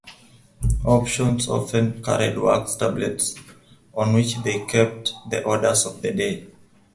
"Optiones" often carried wax tablets on which they kept the orders of the day.